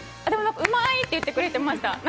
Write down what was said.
でもなんかうまいって言ってくれてました。